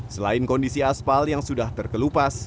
selain kondisi aspal yang sudah terkelupas